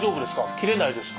切れないですか？